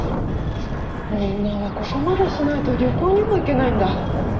女はここまでしないと旅行にも行けないんだ。